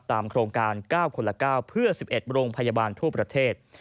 โครงการ๙คนละ๙เพื่อ๑๑โรงพยาบาลทั่วประเทศ